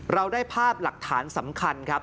เราได้ภาพหลักฐานสำคัญครับ